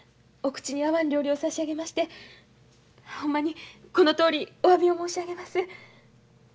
お口に合わん料理を差し上げましてほんまにこのとおりおわびを申し上げます。